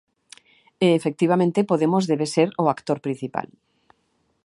E, efectivamente, Podemos debe ser o actor principal.